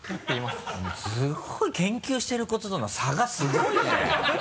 すごい研究してることとの差がすごいね！